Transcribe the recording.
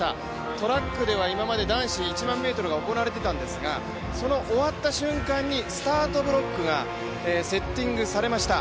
トラックでは今まで男子１００００ｍが行われていたんですがその終わった瞬間にスタートブロックがセッティングされました。